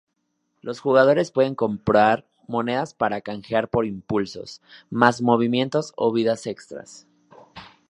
Los jugadores pueden comprar monedas para canjear por impulsos, más movimientos o vidas extras.